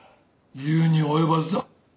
言うに及ばずだ。